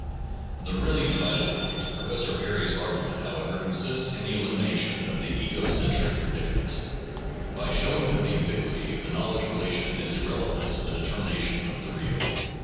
The really vital point of Professor Perry's argument, however, consists in the elimination of the ego centric predicament, by showing that the ubiquity of the knowledge relation is irrelevant in the de termination of the real.